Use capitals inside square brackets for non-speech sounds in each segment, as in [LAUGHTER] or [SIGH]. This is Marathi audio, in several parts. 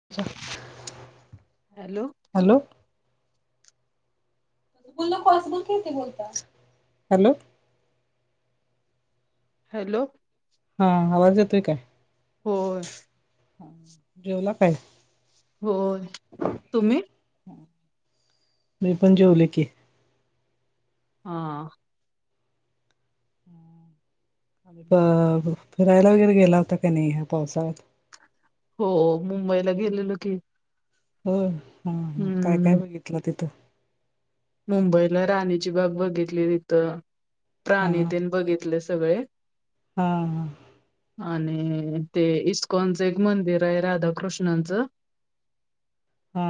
[UNINTELLIGIBLE] हॅलो [UNINTELLIGIBLE] हॅलो [UNINTELLIGIBLE] हॅलो [UNINTELLIGIBLE] हा आवाज येतोय काय... होय... जेवला काय... होय तुम्ही... मी पण जेवले की.. हा.... अ मग फिरायला वगैरे गेला होता का नाही ह्या पावसाळ्यात.... हो मुंबईला गेलेलो की.... हो हम काय काय हम्म बघितलं तिथं... मुंबईला राणीची बाग बघितली तिथं हा हा प्राणितेन बघितले सगळे... हा.... आणि ते इस्कॉनचं एक मंदिर आहे राधाकृष्णचं... हा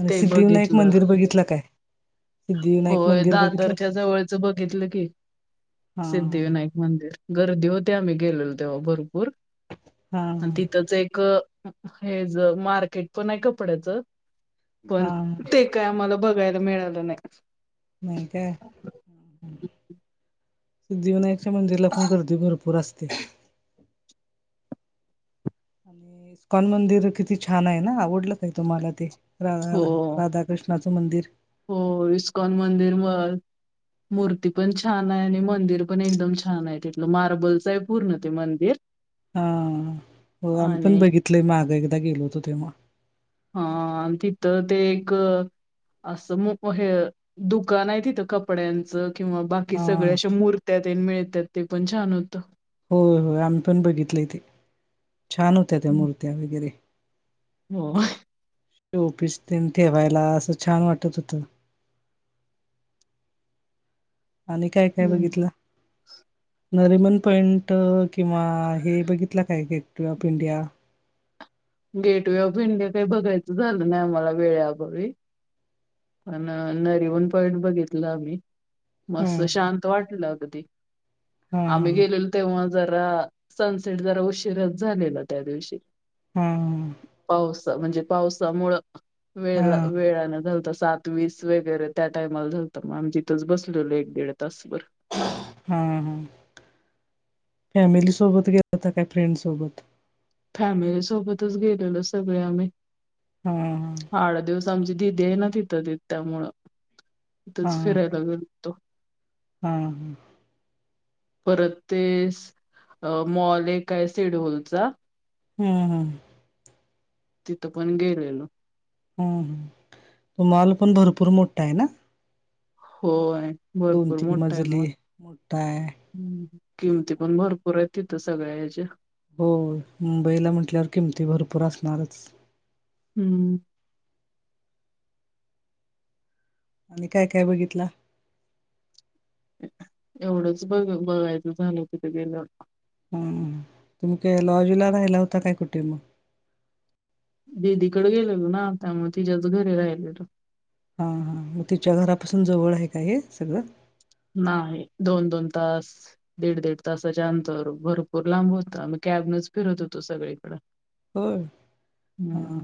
आणि सिद्धिविनायक बघितलं मंदिर बघितलं काय.... सिद्धिविनायक होय मंदिर बघितलं तू दादरच्या जवळचं बघितलं की हा हा सिद्धिविनायक.... मंदिर गर्दी होते आम्ही गेलेलो तेव्हा भरपूर हा आणि हा तिथंच एक..... हे ज मार्केट पण आहे कपड्याच पण हा ते.... काय आम्हाला बघायला मिळालं नाही.... होय का.... सिद्धिविनायकच्या मंदिरला पण गर्दी भरपूर असते.... आणि इकॉन मंदिर किती छान आहे ना आवडलं काही तुम्हाला ते रा हो राधाकृष्ण.... नाचं मंदिर.... हो इस्कॉन मंदिर मग.... मूर्ती पण छान आहे आणि मंदिर पण एकदम छान आहे तिथलं मार्बलचं आहे पूर्ण ते मंदिर..... हा हो आम्ही पण आणि बघितलय मागं एकदा गेलो होतो तेव्हा..... ह आणि तिथं ते एक..... असं हे दुकान आहे तिथं कपड्यांचं किंवा बाकी..... की हा सगळ्या अशा मूर्त्यात मिळतात ते पण छान होतं.... हो होय आम्ही पण बघितले तेे छान होत्या त्या हम्म. मूर्त्या वगैरे... हो.... टोपीस तेन ठेवायला असं छान वाटत होतं.... आणि काय काय हम्म बघितलं..... नरीमन पॉइंट किंवा हे बघितलं काय gate of India..... gateway of India काही बघायचं झालं नाही आम्हाला वेळ अभावी.... पण नरिमन पॉईंट बघितलं आम्ही मस्त हम्म शांत वाटलं अगदी..... हा आम्ही गेलेलो तेव्हा जरा सनसेट जरा उशीिरच झालेला त्या दिवशी... हा.... पावसा म्हणजे पावसामुळं वे हा हा वेळनें घलत..... सात वीस वगैरे त्या टायमाला झा होतं मग आम् तिथंच बसलेलो एक दीड तास वर..... हा हा फॅमिली सोबत गेला होता का फ्रेंड सोबत..... फॅमिली सोबतच गेलेल सगळे आम्ही..... हा.... हा आड दिवस आमची दिीदी आहे ना तिथं तथ त्यामुळं तिथंच फिरायला गेलतो.... हम ह.... परत ते मॉल एक आहे सेडवलचा.... हम्म हम..... तिथं पण गेलोलो.... हम मॉल पण भरपूर मोठा आहे ना.... होय.... दोन भरपूर तीन मोठा आहे मजली मॉल. मोठाय.... किमती पण भरपूर आहे तिथं सगळ्या ह्याच्या.... हो मुंबईला म्हटल्यावर किमती भरपूर असणारच. हम्म. आणि काय काय बघितला. एवढंच बघ बघायचं झालं तिथ गेलं. हा तुमकय लॉज ला राहिला होता काय कुठें मग दिदीकडे गेलेल ना त्यामुळे तिच्याच घरी राहिलेल. हा हा मग तिच्या घरापासून जवळ आहे काय हे सगळं. नाही दोन दोन तास दीड दीड तासाच्या अंतर भरपूर लांब होता मग कॅब नच फिरत होतो सगळीकडं. हो ह.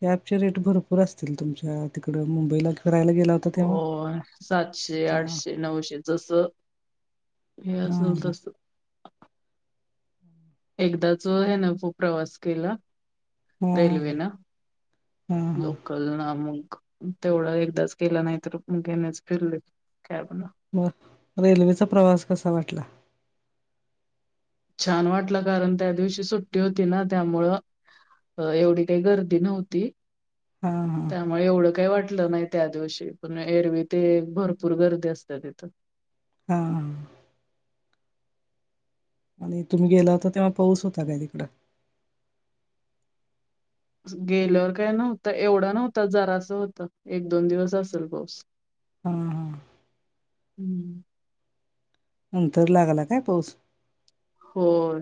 कॅबचे रेट भरपूर असतील तुमच्या तिकडं मुंबईला किरायला गेला. हो तेव्हा सातशे हा आठशे नऊशे जसं. हे हा असल हा तस. एकदाच आहे ना प्रवास केला हा रेल्वेन [UNINTELLIGIBLE] लोकल ना मग तेवढा एकदाच गेला नाही तर मग घेणेच फिरले. कर ब ना. ब रेल्वेचा प्रवास कसा वाटला. छान वाटलं कारण त्या दिवशी सुट्टी होती ना त्यामुळ. अ एवढी काही गर्दी नव्हती. हा हा. त्यामुळे एवढं काही वाटलं नाही त्या दिवशी पण एरवी ते भरपूर गर्दी असते तिथं. हा. आणि तुम्ही गेला होता तेव्हा पाऊस होता काय तिकड. गेल्यावर काय नव्हत एवढ नव्हत जरास होत एक दोन दिवस असेल पाऊस. हा. हम्म. नंतर लागला काय पाऊस? होय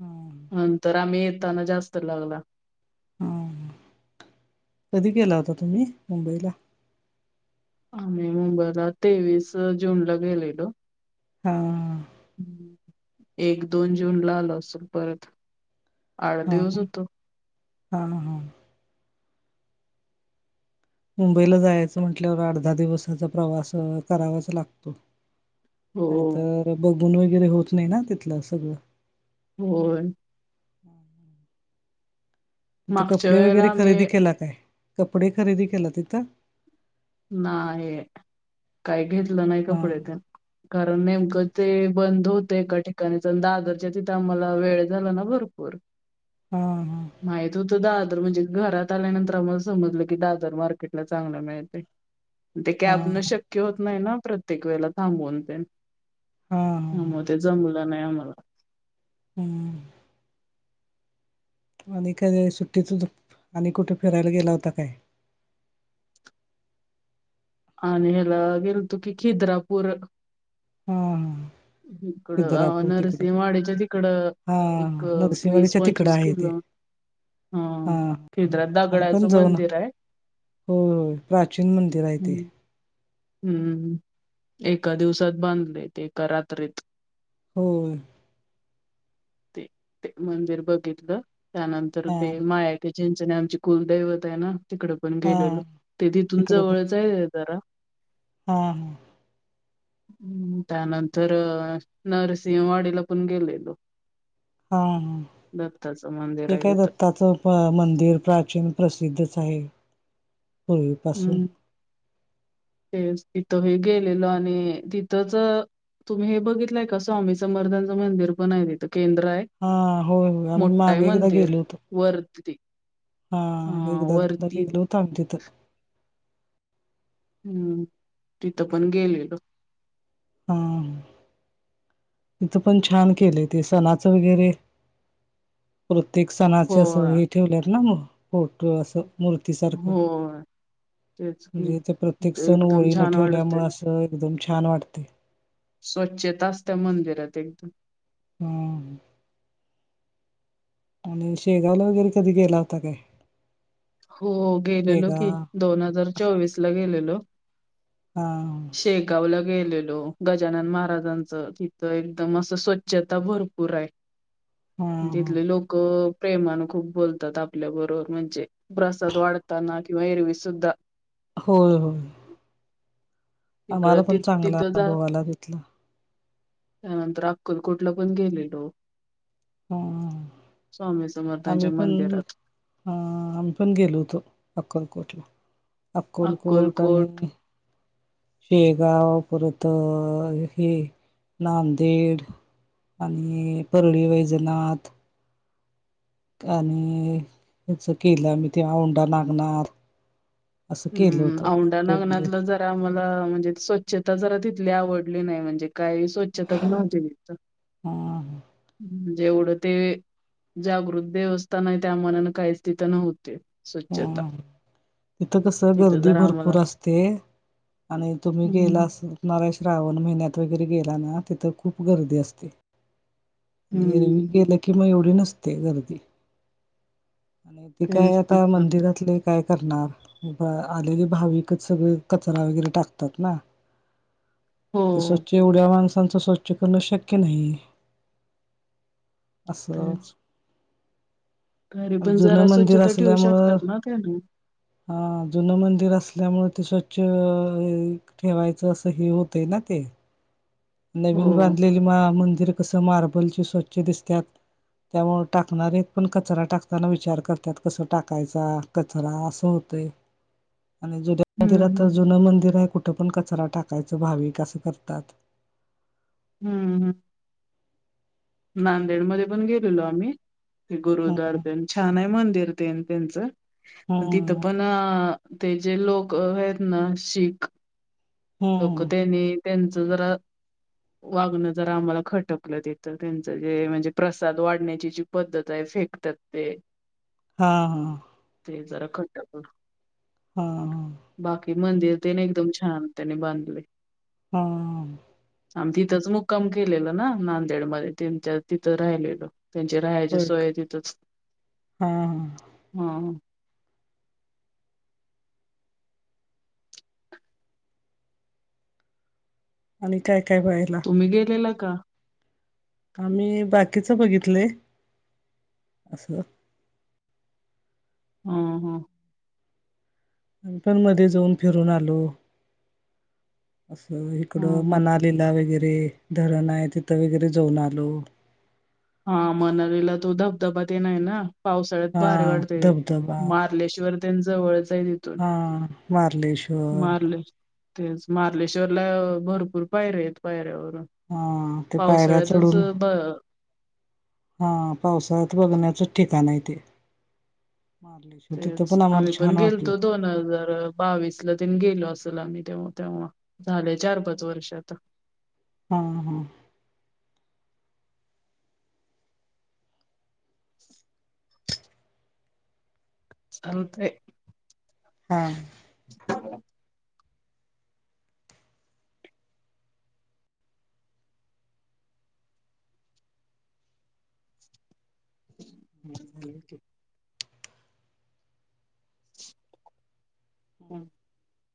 हा नंतर आम्ही येताना जास्त लागला. ह कधी केला होता तुम्ही मुंबईला आम्ही मुंबईला तेवीस जूनला गेलेलो. हा. एक दोन जून ला आल असल परत आठ हा दिवस होतो. हा हा. मुंबईला जायचं म्हटल्यावर अर्धा दिवसाचा प्रवास करावाच लागतो. हो नाहीतर बघून वगैरे होत नाही ना तिथल सगळ. होय. थ मागच्या कपडे वेळेला वगैरे खरेदी आम्ही केला काय?, कपडे खरेदी केला तिथं. नाहीय काय घेतल नाही हा कपडे ते. कारण नेमकं ते बंद होत एका ठिकाणी तर दादरच्या तिथे आम्हाला वेळ झाला ना भरपूर. हा माहित होत दहादर म्हणजे घरात आल्यानंतर आम्हाला समजल की दादर मार्केटला चांगला मिळतय. ते हा कॅब न हा शक्य होत नाही ना प्रत्येक वेळेला थांबून ते. हा ह मग ते जमल नाही आम्हाला. हम्. आणि काय सुट्टीतूतून आणि कुठे फिरायला गेला होता काय? आणि ह्याला गेलतो की खिद्रापूर. हाहा. हकड अ नरसिवाड्याच्या तिकड. हा एक वीस- नरसिंहवाडीच्या तिकडं पंचवीस आहे ते किलो. हम हा तिथ आम्ही दगडाच पण जाऊ ना मंदिर आहे. होय प्राचीन मंदिर आहे ते. हम्म हम्म, एका दिवसात बांधले ते एका रात्रीत. होय. ते ते मंदिर बघितलं त्यानंतर हा ते माय ते चिचण्याची आमचे कुलदैवत आहे ना तिकड पण हा गेलेलो ते तिथुन तिकडं पण जवळच आहे जरा. हा. हम्म, त्यानंतर नरसिंहवाडीला पण गेलेलो. हा, ह, ह दत्ताचं मंदिर आहे तिथे तिथं दत्ताच प मंदिर प्राचीन प्रसिद्धच आहे. पूर्वीपासून हम्म. [INAUDIBLE] ते तिथंही गेलेलो आणि तिथंच तुम्ही हे बघितलंय का स्वामी समर्थांच मंदिर पण आहे तिथं केंद्र आहे. हा, हो, हो आम्ही मोठं आहे मागे एकदा मंदिर गेलो होतो. वरती हा एक, दोनदा गेलो होतो आम्ही तिथ. हम्म तिथं पण गेलेलो. हा. तिथ पण छान केलंय ते सणाच वगैरे प्रत्येक सणाचे अस हो हे ठेवले ना फोटो अस मूर्ती सारख. हो तेच की म्हणजे ते प्रत्येक ते सण एकदम ओळी न छान वाटतंय ठेवल्यामुळे असं एकदम छान वाटते. स्वच्छता असत मंदिरात एकदम. हम्म. आणि शेगांवला वगैरे कधी गेला होता काय? हो गेलेलो की, शेगाव दोन हजार चोवीसला गेलेलो. हां. शेगांवला गेलेलो. गजानन महाराजांचं तिथं एकदम असं स्वच्छता भरपूर आहे. [INAUDIBLE] तिथले लोक प्रेमान खूप बोलतात आपल्याबरोबर म्हणजे प्रसाद वाढताना किंवा एरवीसुद्धा. हो, हो. तकड ति चांगला तिथ जा अनुभव आला तिथला त्यानंतर अक्कलकोटला पण गेलेलो हा स्वामी समर्थ आम्ही पण अं आम्ही पण गेलो होतो अक्कनकोटला अक्कलकोट आणि शेगांव परत, हे नांदेड आणि परळी-वैजनाथ. आणि ह्याचं केलं आम्ही ते औंढा-नागनाथ. हम्म दोन दिवस औंढा-नागनाथला जरा आम्हाला म्हणजे स्वच्छता जरा तिथली आवडली नाही म्हणजे काही स्वच्छताच नव्हती तिथं. हा जेवढं ते जागृत देवस्थान आहे त्या मानानं काहीच तिथं नव्ह तीच स्वचछता. हा तिथं कस गर्दी आम्हाला भरपूर असते आणि तुम्ही गेला हम्म अस णार श्रावण महिन्यात वगैरे गेला ना, तिथं खूप गर्दी असते. आणि एरवी हम्म गेलं की, मग एवढी नसते गर्दी बाकी काय तेच तिथं गावातले काय करणार आलेले भाविकच सगळे कचरा वगैरे टाकतात ना. हो [INAUDIBLE] ते स्वच्छ एवढ्या माणसांचं स्वच्छ करण शक्य नाही. असं. तरी पण जरा स्वच्छता ठेवू असल्यांमुळं शकतात ना त्याने हां जुनं मंदिर असल्यांमुळे ते स्वंच्छ ठेवायचं असं हे होतंय नां ते. हो नवीन बांधलेली मां-मंदिर कसं मार्बलची स्वंच्छ दिसतांत. त्यांमुळं टाकणांरे पणं कचरां टाकतांना विचारं करतांत. कसं टाकायंचा कचरां असं होतंय. [UNINTELLIGIBLE] आणि जुन्यां हम्म मंदिरांत तरं हम्म. जुनं मंदिरं आहे कुठं पणं कचरां टाकायचं भाविक असं करतांत. हम्मं हम्मं. नांदेडमंध्ये पणं गेलेलो आम्हीं ते ह गुरुद्वार तेन छांन आहे मंदिर तेन त्यांचं पणं तिथं ह पणं ते जे लोकं आहेतं नां शीखं लोकं ह त्यांनी त्यांचं जरां वागणं जरां आम्हांला खटकलं ते. तरं त्यांच जे म्हणजे प्रसांद वाढण्यांची जी पद्धतं आहे, फेकतांत ते. हां हां. ते जरां खटकलं. हां.. बांकी मंदिरं तेनी एकदंम छांन त्यांनीं बांधलंय. हां. आम्हीं तिथंच मुक्कांम केलेला नां नांदेड मंध्यें त्यांच्यांत तिथं राहिलेलो. त्यांच्यां राहांयची होय सोय तिथंचं हा हा हं. हं आणि कायं कायं बघीतलां मी गेलेलं कां आम्हीं बांकीचं बघितलंय असं. हम्मं हम्मं मी पणं मंध्यें जाऊंन फिरूंन आलो. असं हा इकडं हा. मनांलीला वगैरें धरणं आहे तिथं वगैरें जाऊंन आलो. हां मनांलीला तो धबधबां तेन हांय नां पावसाळ्यांत हा भारी वाटतं तीत धबधबा मांत कलेश्वर तेनं जवळचं हांय की. हां मारलेश्वर तेचं मार्लेश्वरलां भरंपूर पायऱ्यां आहेत पायऱ्यांवरून हां त्यां पायऱ्यां चढूंन हां पावसाळ्यांत बघण्यांचंच ठिकाणं आहे ते. मार्लेश्वर तिथं तेचं पण आम्हीं आम्हाला पणं छान वाटलं गेलतो दोन हजारांत बावीस लां तीनं गेलो असेल आम्हीं तेंव्हा तेंव्हा झाले चार पांच वर्षा आतां. हं हं चालतंय. हां. ह [UNINTELLIGIBLE] हम्. [UNINTELLIGIBLE] हम्मं